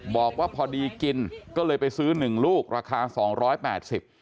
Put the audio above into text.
บอกว่าพอดีกินก็เลยไปซื้อ๑ลูกราคา๒๘๐บาท